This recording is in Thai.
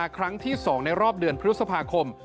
ครั้งที่๒ในรอบเดือนพฤษภาคม